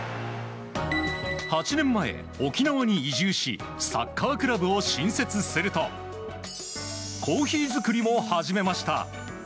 ８年前、沖縄に移住しサッカークラブを新設するとコーヒー作りを始めました。